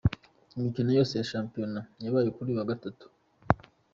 Imikino yose ya shampiyona yabaye kuri uyu wa Gatatu:.